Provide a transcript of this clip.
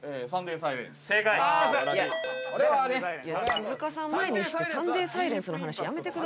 鈴鹿さんを前にしてサンデ―サイレンスの話やめてください。